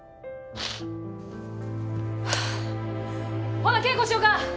ほな稽古しよか！